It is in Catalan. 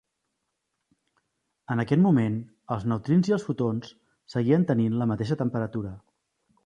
En aquest moment, els neutrins i els fotons seguien tenint la mateixa temperatura.